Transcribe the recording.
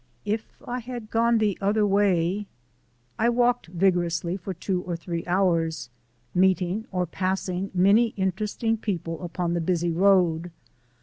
If I had gone the other way I walked vigorously for two or three hours, meeting or passing many people upon the busy road.